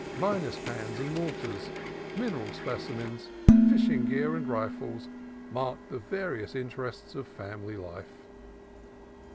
Miners' pans and mortars, mineral specimens, fish ing gear, and rifles marked the varied interests of the family life.